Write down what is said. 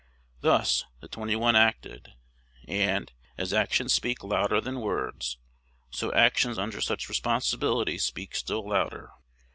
Thus the twenty one acted; and, as actions speak louder than words, so actions under such responsibility speak still louder.